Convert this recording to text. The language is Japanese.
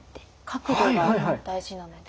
角度が大事なので。